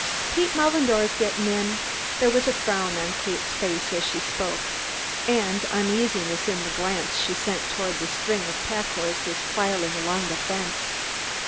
"Pete Mullendore's gettin' in." There was a frown on Kate's face as she spoke and uneasiness in the glance she sent toward the string of pack horses filing along the fence.